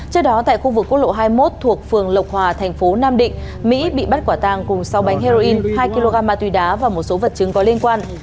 trước đó tại khu vực quốc lộ hai mươi một thuộc phường lộc hòa thành phố nam định mỹ bị bắt quả tàng cùng sáu bánh heroin hai kg ma túy đá và một số vật chứng có liên quan